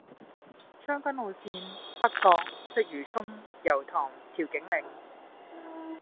將軍澳綫：北角，鰂魚涌，油塘，調景嶺